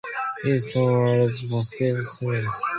His son was Preserved Smith.